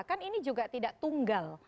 kan ini juga tidak tunggal